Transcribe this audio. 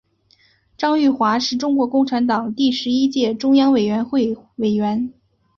张玉华是中国共产党第十一届中央委员会委员。